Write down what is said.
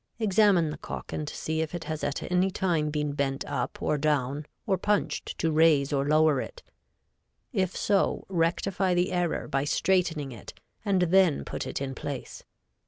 Examine the cock and see if it has at any time been bent up or down or punched to raise or lower it. If so, rectify the error by straightening it and then put it in place.